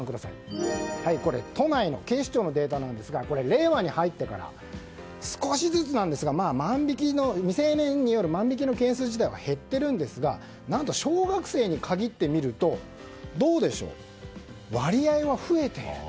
これ、都内の警視庁のデータなんですが令和に入ってから少しずつなんですが未成年による万引きの件数は減っているんですが何と、小学生に限って見るとどうでしょう、割合は増えている。